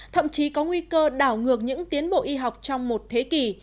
thậm chí có nguy cơ đảo ngược những tiến bộ y học trong một thế kỷ